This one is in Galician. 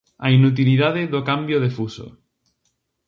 A inutilidade do cambio de fuso.